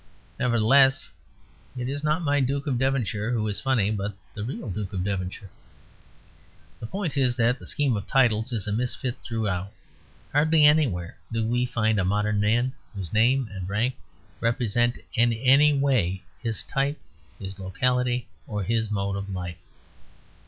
Nevertheless, it is not my Duke of Devonshire who is funny; but the real Duke of Devonshire. The point is that the scheme of titles is a misfit throughout: hardly anywhere do we find a modern man whose name and rank represent in any way his type, his locality, or his mode of life.